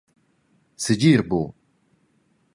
Segir buc!